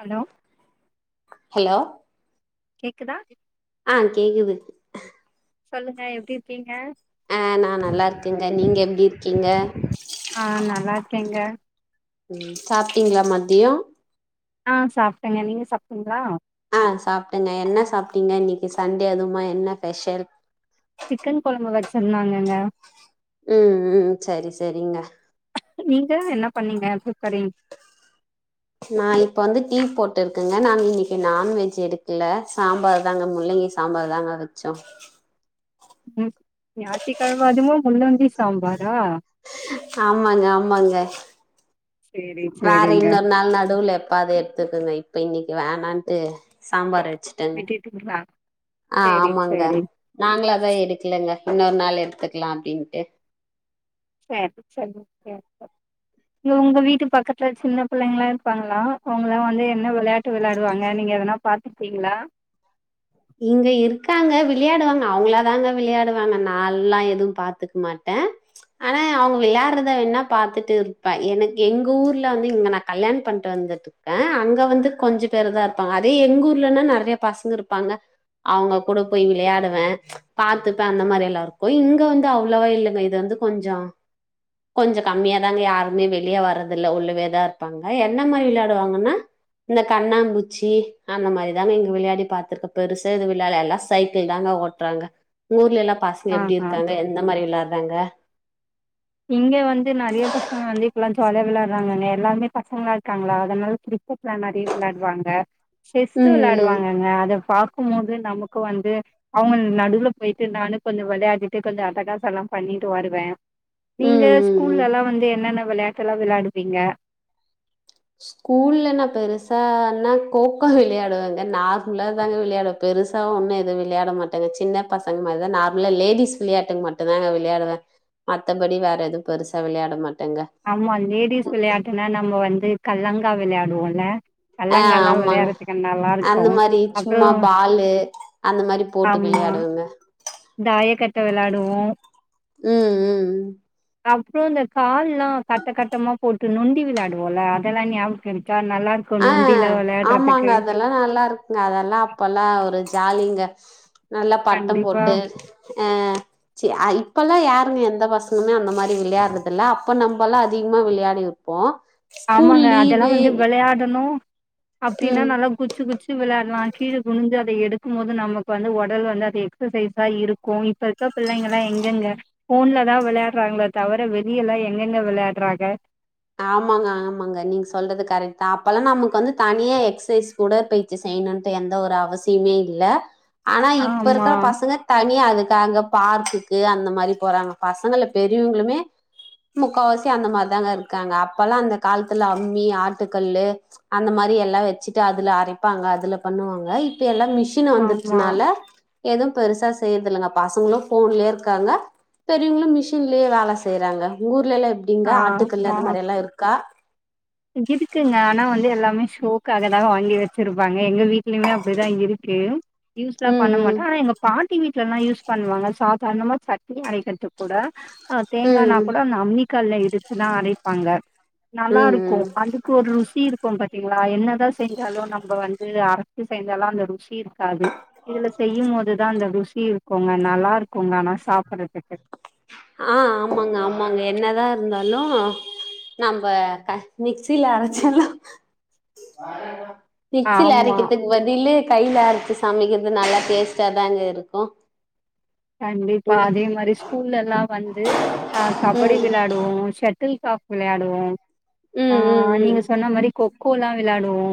Hello hello கேக்குதா ஆ கேக்குது சொல்லுங்க எப்டி இருக்கீங்க ஆ நா நல்லாருக்கங்க நீங்க எப்டி இருக்கீங்க ஆ நல்லா இருக்கேங்க ம் சாப்ட்டீங்களா மதிய ஆ சாப்டங்க நீங்க சாப்டீங்களா ஆ சாப்ட்டங்க என்ன சாப்ட்டீங்க இன்னிக்கு சண்டே அதுமா என்ன பெஷல் சிக்கன் குழம்பு வச்சிருந்தாங்கங்க ம் ம் சரி சரிங்க நீங்க என்ன பண்ணீங்க ப்ப சறீ நா இப்ப வந்து டீ போட்டிருக்கங்க நாங்க இன்னிக்கு நான்வெஜ் எடுக்கல சாம்பார் தாங்க முள்ளங்கி சாம்பார் தாங்க வச்சோ உம் ஞாயித்து கிழம அதுமா முள்ளங்கி சாம்பாரா ஆமாங்க ஆமாங்க சேரி வேற சேரிங்க இன்னொரு நாள் நடுவுல எப்ப ஆது எடுத்துட்டு இப்ப இன்னிக்கு வேணான்ட்டு சாம்பார் வச்சு டன் விட்டுட்டீங்களா ஆ சேரி ஆமாங்க சேரி நாங்களு அதா எடுக்கலங்க இன்னொரு நாள் எடுத்துக்கலா அப்டின்ட்டு சேரி சேரி சேரி இங்க உங்க வீட்டு பக்கத்துல சின்ன பிள்ளைங்களா இருப்பாங்களா அவங்களா வந்து என்ன விளையாட்டு ட்டு விளையாடுவாங்க நீங்க ஏதுனா பாத்துக்குவீங்களா இங்க இருக்காங்க விளையாடுவாங்க அவங்களாதாங்க விளையாடுவாங்க நா எல்லா எதுவு பாத்துக்க மாட்ட ஆனா அவங்க விளையாட்றத வேணா பாத்துட்டு இருப்ப எனக்கு எங்க ஊர்ல வந்து இங்க நா கல்யாண பண்ட்டு வந்து க்கன் அங்க வந்து கொஞ்ச பேரு தா இருப்பாங்க அதே எங்க ஊர்லன்னா நறைய பசங்க இருப்பாங்க அவுங்க கூட போய் விளையாடுவ பாத்துப்ப அந்த மாரி எல்லாருக்கும் இங்க வந்து அவ்வளோவா இல்லங்க இது வந்து கொஞ்ச கொஞ்ச கம்மியாதாங்க யாருமே வெளியே வர்றதில்ல உள்ளவேதா இருப்பாங்க என்ன மாரி விளையாடுவாங்கன்னா இந்த கண்ணாம்பூச்சி அந்த மாரிதா இங்க விளையாடி பாத்திருக்க பெருச எது விழாலா இல்ல சைக்கிள் தாங்க ஓட்றாங்க ஊர்லலா பசங்க எப்படி ஆஹா இருக்காங்க எந்த மாரி விளாட்றாங்க இங்க வந்து நறையா பசங்க வந்து இப்பல்லா ஜாலியா விளையாட்றாங்கங்க நே எல்லாமே பசங்களா இருக்காங்களா அதனால கிரிக்கெட் லா நறிய வெளாட்வாங்க செஸ்ஸு ம் ம் வெளாடுவாங்கங்க அத பாக்கும்போது நமக்கு வந்து அவங்க நடுவுல போய்ட்டு நானு கொஞ்ச விளையாடிட்டு கொஞ்சம் அட்டகாசல்லா பண்ணிட்டு வருவே நீங்க ம் ம் ம் ஸ்கூல்லல்லா வந்து என்னென்ன வெளாட்டுல்லா வெளாடுவீங்க ஸ்கூல்ல நா பெருசான்னா கோக்கோ விளையாடுவங்க நார் உள்ளத்தாங்க விளயாட பெருஸ் தா ஒம்மே எது விளையாட மாட்டாங்க சின்ன பசங்க மாரிதா நார்மலா லேடிஸ் விளையாட்டு மட்டுந்தாங்க விளையாடுவே மத்தபடி வேற எது பெருசா விளையாட மாட்டேங்க ஆமா லேடிஸ் விளையாட்டுனா நம்ம வந்து கல்லங்கா விளையாடுவோல ஆ ஆமாங்க அந்த இருக்கு மாரி அப்றோ சும்மா பாலு அந்த மாரி போட்டு ஆமா விளையாடுவங்க தாயக்கட்ட வெளாடுவோ ம் ம் அப்றோ இந்த கால்லா கட்ட கட்டமா போட்டு நொண்டி விளாடுவோல அதெல்லா ஞாபக்ச்சுல இருக்கா நல்லார் ஆ ஆமாங்க அதெல்லா நல்லாரு அதெல்லா அப்பல்லா ஒரு ஜாலிங்க நல்லா பட்டம் கண்டிப்பா போட்டு அ சி ஐ இப்பல்லா யாருங்க எந்த பசங்கமே அந்த மாரி விளையாறதில்ல அப்ப நம்பல்லா அதிகமா விளையாடிர் போ ஸ்கூல் லீவு டனு அப்டின்னா ம் நல்லா குச் ச்சு குச்சு விளாட்லா கீழ குனி்ஞ்சு அத எடுக்கும்போது நமக்கு வந்து உடல் வந்து அது எக்ஸசைஸா இருக் கு இப்ப இருக்க பிள்ளைங்கலா எங்கங்க ஃபோன்ல தா விளையாறாங்ள தவர வெளியெல்லா எங்கெங்க விளையாட்றாங்க ஆமாங்க ஆமாங்க நீங் சொல்றது கரக்தா அப்பல்லா நமக்கு வந்து தனியா எக்ஸ்சைஸ் துடற்பயிற்சி செய்ணுன்ட்டு எந்த ஒரு அவசியமே இல்ல ஆனா இப்ப ஆமா இருக்ற பசங்க தனியா அதுக்காங்க பார்க்குக்கு அந்த மாரி போறாங்க பசங்கள பெரியவுங்களுமே முக்காவாசி அந்த மாதாங்க இருக்காங்க அப்பல்லா அந்த கால்த்துல அம்மி ஆட்டுக்கல்லு அந்த மாரி எல்லா வச்சிட்டு அதுல அரைப்பாங்க அதுல பண்ணுவாங்க இப்ப எல்லா மிஷ் க்கின ஆமா வந்துர்ச்சுனால எது பெருசா செய்யற்து இல்லங்க பசங்களு ஃபோன்லே இருக்காங்க பெரியவங்களு மிஷின்லே வேல செய்றாங்க உங் ஊர்லலா எப்டிங்க ஆட்டுக்கல்லு அந்த மாரிலா இருக்கா இதுக்குங்க ஆனா வந்து எல்லாமே ஷோக்காக தாங்க வாங்கி வச் ச்சிருப்பாங்க எங்க வீட்லியுமே அப்டிதா இருக்கு யூஸ்லா ம் பண்ண மாட்டோ ஆனா எங்க பாட்டி வீட் ஸ்லா யூஸ் பண்ணுவாங்க சாதார்ணமா சட்னி அறைக்கற்து கூட அ ம் தேங்கானா ம் கூட அந்த அம்மி கல்ல இடிச்சுதா அரைப்பாங்க ம் நல்லாருக் ம் ம் அதுக்கு ஒர் ருசி இருக்கு பாத்தீங்களா என்னதா செஞ்சாலு நம்ப வந்து அரச்சு செஞ்சாலு அந்த ருசி சி இருக்காது இதுல செய்யும் போதுதான் அந்த ருசிர் கோங்க நல்லாருக்கோங்க ஆனா சாப்றதுக்கு ஆ ஆமாங்க ஆமாங்க என்னதா இருந்தாலு நம்ப க மிக்சில அரச்சாலு மிக்சில ஆமா. அரைக்கிற்த்துக்கு பதிலு கைய்ல அரச்சு சமைக்கிற்து நல்லா டேஸ்ட்டா தான்ங்க இருக்கு கண்டிப்பா ம் அதே மாரி ஸ்கூலல்லா வந்து அ கபடி ம் வெளாட் ரோ ஷட்டில் காக் விளையாடுவோ அ ம் ம் ம் நீங்க சொன்ன மாரி கோ கோலா விளையாடுவோ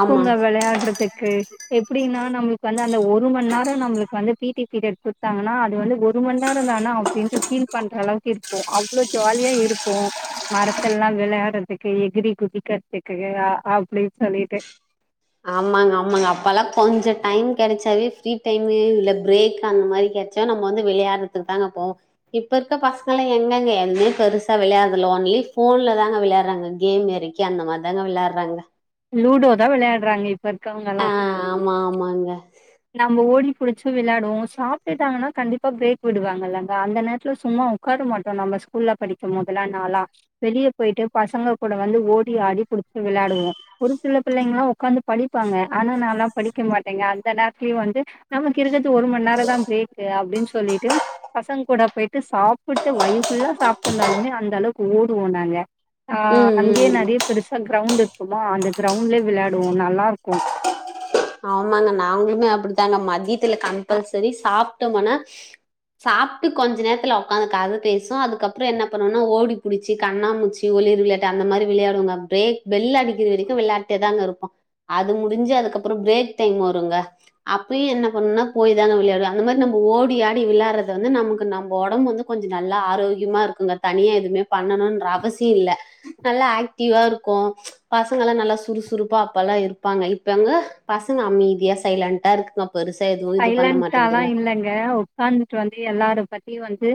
ஆமா விளையாட்றதுக் க்கு எப்படின்னா நம்ளுக்கு வந்து அந்த ஒரு மண் நேரோ நம்ளுக்கு வந்து பீடி பீடட் குட்த்தாங்கன்னா அது வந்து ஒரு மண் நேரோ தானா அப்டின்ட்டு ஃபீல் பண்றளவுக் இருக்கு அவ் வ்ளோ ஜாலியா இருக்கோ மரத்தல்லாம விளையாடுறதுக்கு எகிரி குதிக்கிறதுக்கு அப்படி சொல்லிட்டு ஆமாங்க ஆமாங்க அப்பல்லா கொஞ்சம் டைம் கிடைச்சாவே ஃப்ரீ டைமு இல்ல பிரேக் அந்த மாரி கெட் ச்சா நம்ம வந்து விளையாடுறதுக்கு தாங்கப்போவோ இப்ப இருக்க பசங்களா எங்கங்க எதுவுமே பெருசா விளையாடுறதுல ஓன்லி போன்ல தாங்க விளையாடுறாங்க கேம் மேறி கே அந்த மாரி தாங்க விளாற்றாங்க லூடோ தா விளையாடுறாங்க இப் பருக்கவங்கல்லா மா ஆமாங்க நம்ப ஓடி புடிச்சு விளாடுவோ சாப்டுட்டாங்கன்னா கண்டிப்பா பிரேக் விடுவாங்கல்லாங்க அந்த நேரத்துல சும்மா உக்கார மாட்டோ நம்ம ஸ்கூல்ல படிக்கும் போதல்லா நாளா வெளியே போயிட்டு பசங்க கூட வந்து ஓடி ஆடி புடிச்சுட்டு விளாடுவோ ஒரு சில பிள்ளைங்கல்லா உக்காந்து படிப்பாங்க ஆனா நால்லா படிக்க மாட்டேங்க அந்த நேரத்துலயும் வந்து நமக்கு இருக்கிறது ஒரு மணி நேரம் தான் பிரேக்கு அப்டின் சொல்லிட்டு பசங்க கூட போயிட்டு சாப்புட்டு வயிறு ஃபுல்லா சாப்ட்டு இருந்தாலுமே அந்த அளவுக்கு ஓடுவோனாங்க ஆ ம் அங்கயே ம் நிறைய பெருசா கிரௌண்ட் இருக்குமா அந்த கிரௌண்ட்லயே விளாயாடுவோ நல்லா இருக்கும் ஆமாங்க நாங்களுமே அப்டித்தாங்க மதியத்துல கம்பல்சரி சாப்ட்டோமானா சாப்ட்டுவிட்டு கொஞ்ச நேரத்துல உக்காந்து கத பேசு அதுக்கப்றோ என்ன பண்ணுவோனா ஓடி புடிச்சு கண்ணா முச்சு ஒளிர விளாயாட்டு அந்த மாரி விளயாடுவோங்க பிரேக் பெல்லடி க்கிர இவரைக்கு விளாட்டே தாங்க இருப்போ அது முடிஞ்சி அதுக்கப்புறம் பிரேக் டைம் வருங்க அப்பயு என்ன பண்ணுன்னா போய் தானே விளையாடுவ அந்த மாரி நம்ம ஓடி ஆடி விளாறது வந்து நமக்கு நம்ம உடம்பு வந்து கொஞ்சோ நல்லா ஆரோக்கியமா இருக்குங்க தனியா எதுவுமே பண்ணணுன்ற அவசியம் இல்ல நல்லா ஆக்டிவா இருக்கு பசங்கல்லா நல்லா சுறுசுறுப்பா அப்பல்லா இருப்பாங்க இப்பெங்க பசங்க அமைதியா சைலன்டா இருக்குங்க பெறுசா எதும் சைலண்டாலா இல்ங்க உக்காந்துட்டு வந்து எல்லாரு பத்தியு வந்து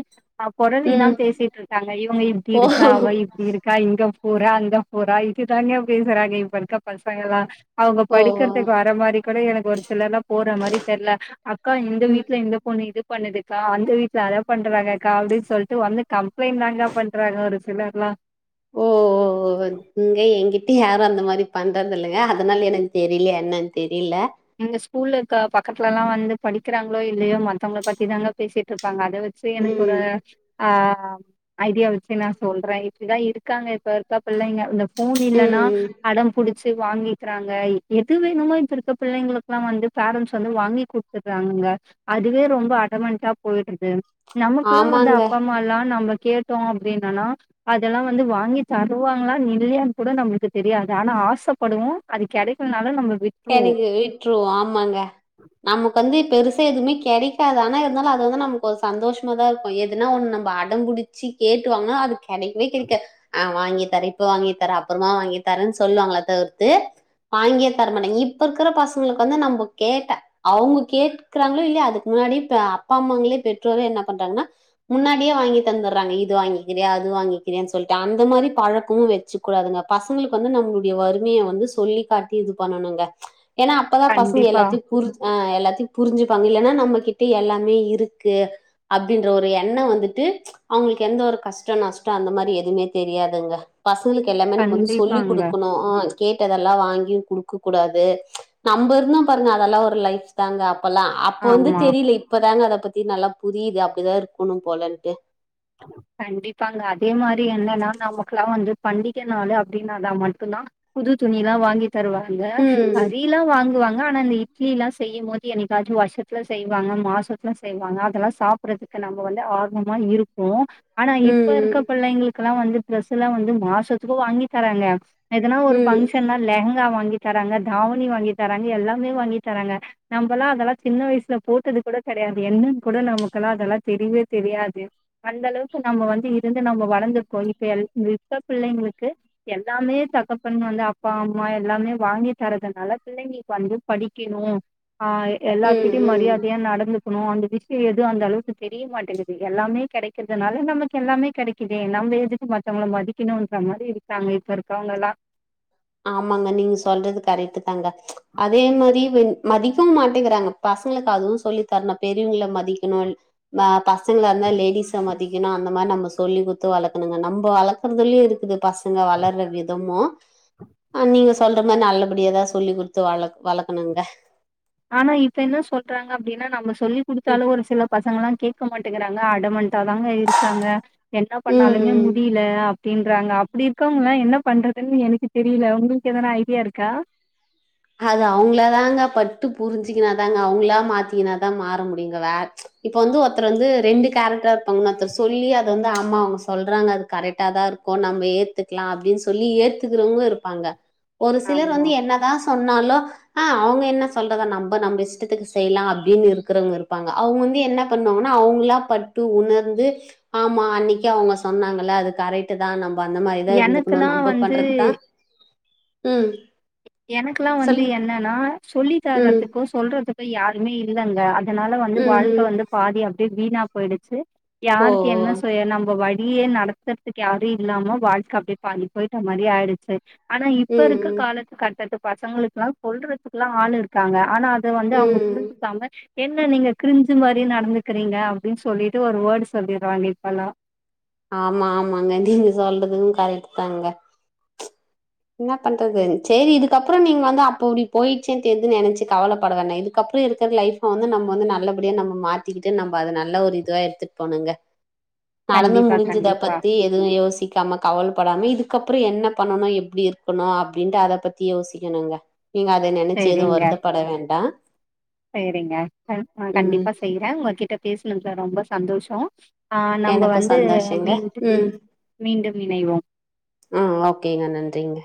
பொரளிதா ம். பேசிட்டு இருக்காங்க இவங்க இப்டி இருக்கா ஓ! அவ இப்டி இருக் கா இங்க போரா அங்க போரா இது தாங்க பேசுராங்ங இப்ப இருக்க பசங்கல்லா அவங்க ஓ ஓ படிக்கறதுக்கு வர மாரி கூட எனக்கு ஒரு சிலர்லா போற மாரி தெர்ல அக்கா இந்த ம் வீட்ல இந்த பொண்ணு இது பண்ணுதுக்கா அந்த வீட்ல அத பண்றாங்கக்கா அப்டின் சொல்ட்டு வந்து கம்ப்ளைண்ட் தாங்க பண்றாங்க ஒரு சிலர்லா ஓ ஓ ஒ இங்க எங்கிட்ட யாரு அந்த மாரி பண்றதில்லங்க அதனால எனக் தெரிலயா என்னென் தெரில இந்த ஸ்கூல்ல இருக்க பக்கத்துலல்லா வந்து படிக்கிறாங்களோ இல்லையோ மத்தவங்கள பத்தி தாங்க பேசிட்டு இருப்பாங்க அதை வெச் சி எனக்கு ஒரு ம் ஆஹ் ஐடியா வெச்சு நா சொல்றே இப்டிதா இருக்காங்க இப்ப இருக்க பிள்ளைங்க இந்த போன் இல்லனா ம் அடம் புடிச்சி வாங்கிக்கிறாங்க எது வேணுமோ இப்ப இருக்க பிள்ளைங்களுக்குல்லா வந்து பேரண்ட்ஸ் வந்து வாங்கி குடுத்துடுறாங்கங்க அதுவே ரொம்ப ஆடமென்டா போயிடுது நமக்குல்லா வந்து ஆமாங்க அப்பா அம்மால்லா நம்ப கேட் டோ அப்டின்னானா அதெல்லா வந்து வாங்கி தருவாங்களா இல்லையானு கூட நம்மளுக்கு தெரியாது ஆனா ஆசப்படுவோ அது கெடைக்கலனாலு நம்ப விட் எனக்கு விட்டுருவோ ஆமாங்க நமக்கு வந்து பெருசா எதுவுமே கெடை ஆனா இருந்தாலு அது வந்து நமக்கு ஒரு சந்தோஷமா தா இருக்கு எதுனா ஒன்னு நம்ம அடம்புடிச்சி கேட்டுவாங்கனா அதுக் கெடைக்கவே கெடைக்கா ஆ வாங்கி தரே இப்ப வாங்கி தரே அப்றமா வாங்கி தரேன் சொல்லுவாங்கள தவிர்த்து வாங்கியே தரமாட்டாய்ங்க இப்ப இருக்கிற பசங்களுக்கு வந்து நம்ப கேட்ட அவுங்க கேட்குறாங்ளோ இல்லையோ அதுக்கு முன்னாடி இப்ப அப்பா அம்மாங்ளே பெற்றோரே என்ன பண்றாங்ன்னா முன்னாடியே வாங்கி தந்துற்றாங்க இது வாங்கிக்கிறியா அது வாங்கிக்கிறயான் சொல்ட்டு அந்த மாரி பழக்கு வெச்சுக் கூடாதுங்க பசங்களுக்கு வந்து நம்மளுடைய வறுமிய வந்து சொல்லி காட்டி இது பண்ணனுங்க ஏனா அப்பதா பசங்க கண்டிப்பா எல்லாத்யு புரிஞ் ஆ எல்லாத்யு புரிஞ்சுப்பாங்க இல்லன்னா நம்மகிட்ட எல்லாமே இருக்கு அப்டின்ற ஒரு எண்ணோ வந்துட்டு அவுங்களுக்கு எந்த ஒரு கஷ்டோ நஷ்டோ அந்த மாரி எதுமே தெரியாதுங்க பசங்களுக்கு எல்லாமே நம்ம வந்து சொல்லி கண்டிப்பாங்க குடுக்கணு கேட்டதெல்லா வாங்கியு குடு க்ககூடாது நம்ப இருந்தோ பாருங்க அதெல்லா ஒரு லைஃப் தாங்க அப்பல்லா அப்ப வந்து ஆமா தெரில இப்ப தாங்க அத பத்தி நல்லா புரியிது அப்டிதா இருக்கணும் போலன்ட்டு கண்டிப்பாங்க அதே மாரி என்னன்னா நமக்குலா வந்து பண்டிக்க நாளு அப்டினானா மட்டுந்தா புது துணில்லா வாங்கி தருவாங்க ம் அரி சிலா வாங்குவாங்க ஆனா அந்த இட்லிலா செய்யும் போது எனய்க்காச்சு வர்ஷத்துல செய்வாங்க மாசத்துல செய்வாங்க அதெல்லா சாப் பறத்துக்கு நம்ம வந்து ஆர்வமா இரு ப்போ ஆனா இப்ப இருக்க ம் பிள்ளைங்களுக்குல்லா வந்து ட்ரெஸுலா வந்து மாசத்துக்கு வாங்கி தராங்க எதனா ஒரு ம் ஃபங்க்ஷன்னா லெங்கா வாங்கி தராங்க தாவணி வாங்கி தராங்க எல்லாமே வாங்கி தராங்க நம்பலா அதெல்லா சின்ன வய்சுல போட்டது கூட கெடையாது என்னன் கூட நமக்கெல்லா அதெல்லா தெரிவே தெரியாது அந்த அளவுக்கு நம்ம வந்து இருந்து நம்ப வளர்ந்திருக்கோ இப்ப எல் து இப்ப பிள்ளைங்களுக்கு எல்லாமே தகப்பன் வந்து அப்பா அம்மா எல்லாமே வாங்கி தரதுனால பிள்ளைங்ளுக் வந்து படிக்கிணு ஆ எல்லார் ம் கிட்டயு ம் ம் மரியாதையா நடந்துக்கணு அந்த விஷ்யு எதுவு அந்தளவுக்கு தெரியமாட்டேங்கிது எல்லாமே கெடைக்கிறதுனால நமக்கு எல்லாமே கெடைக்குதே நம்ப எதுக்கு மத்தவங்ள மதிக்கணுன்ற மாரி இருக்காங்க இப்ப இருக்கிறவங்கெல்லா ஆமாங்க நீங்க சொல்றது கரெட்டு தாங்க அதே மாரி வந் மதிக்கவு மாட்டேங்கிறாங்க பசங்களுக்கு அதுவு சொல்லி தர்ணு பெரியவங்ள மதிக்கணு ஆ பசங்களா இர்ந்தா லேடிஸ ம மதிக்கணு அந்த மார் நம்ம சொல்லி குத்து வளக்கணுங்க நம்ப வளக்கற்துலியு இருக்குது பசங்க வளர்ர விதமு ஆ நீங்க சொல்ற மார் நல்லபடிய எதா சொல்லி குட்த்து வள வளக்கணுங்க ஆனா இப்ப என்னு சொல்றாங்க அப்டினா நம்ம சொல்லி குடுத்தாலு ஒரு சில பசங்கலா கேக்க மாட்டேங்கிறாங்க அடமண் டாதாங்க இருக்காங்க என்ன ம் பண்ணாலுமே ம் முடியில அப்டின்றாங்க அப்படி இருக்கவங்களா என்ன பண்றதுன்னு எனக்கு தெரியில உங்களுக்கு எதனா ஐடியா இருக்கா அது அவுங்ளா தாங்க பட்டு புரிஞ்சுக்கனாதாங்க அவுங்களா மாத்தித்கினாதா மாற முடியுங்க வே இப்ப வந்து ஒருத்தர் வந்து ரெண்டு கேரக்ட்ரா இருப்பாங்க இன்னோர்த்தர் சொல்லி அத வந்து அம்மா அவுங்க சொல்றாங்க அது கரெக்டா தா இரு க்கு நம்ப ஏத்துக்லா அப்டின் சொல்லி ஏத்துக்கிறவங்க இருப்பாங்க ஒரு சிலர் ஆமா வந்து என்னதா சொன்னாலு அ அவுங்க என்ன சொல்றதா நம்ப நம்ப இஷ்டத்துக்கு செய்யலா அப்டினு இருக்கிறவங்க இருப்பாங்க அவுங்வந்து என்ன பண்ணுவாங்ன்னா அவுங்களா பட்டு உணர்ந்து ஆமா அன்னிக்கே அவுங்க சொன்னாங்கல அது கரெட் டுதா நம்ப அந்த மாரிதா இருந்துக்ணு எனக்கெல்லா நம்ப வந்து பண்றத்தா ம் எனக்குல்லா வந்து சொல்லுங்க. என்னன்னா சொல்லி ம். தரதுக்கோ சொல்றதுக்கோ யாருமே இல்லங்க அ தனால வந்து ம். ம் வாழ்க்க வந்து பாதி அப்டே வீணா போயிடுச்சு ஓ யாருக்கு ஓ என்ன செய்ய நம்ம வழியே நடத் தற்த்துக்கு யாரு இல்லாம வாழ்க்க அப்டே பாதி போய்ட்ட மாரி ஆயிடுச்சு ஆனா ம் இப்ப இருக்க ம் காலத் கட்டத்து பசங்களுக்குலா சொல்றதுக்குல்லா ஆள் இருக்காங்க ஆனா அத வந்து அவுங்க ம் புரிஞ்சுக்காம என்ன நீங்க க்ரிஞ்சு மாரி நடந்துக்கிறீங்க அப்டின் சொல்லிட்டு ஒரு வேடு சொல்லிற்றாங்க இப்பல்லா ஆமா ஆமாங்க நீங்க சொல்றது கரெட்டுதாங்க என்ன பண்றது செரி இதுக்கப்றோ நீங்க வந்து அப்போ இப்டி போயிடுச்சுன் தெரிது நெனச்சு கவலப்பட வேணா இது க்கப்றோ இருக்கிற லைஃப் வந்து நம்ம வந்து நல்லபடியா நம்ம மாத்திக்கிட்டு நம்ப அது நல்ல ஒரு இதுவா எடுத்துட் போணுங்க நடந்து கண்டிப்பா, முடிஞ்சத கண்டிப்பா. பத்தி எதுவு யோசிக்காம கவல படாம இதுக்கப்றோ என்ன பண்ணணு எப் ப்டி இருக்கணு அப்டின்ட்டு அத பத்தி யோசிக்கணுங்க நீங்க அத நெனச்சு எது சரிங்க. வருத்தப்பட வேண்டா ம் க உங்ககிட்ட பேசுனதுல ரொம்ப சந்தோஷோ ஆ நம்ப எனக்கு வந்து சந்தோஷங்க மீண்டு ம் மீண்டும் இணைவோம் ஆ ஓகேங்க நன்றிங்க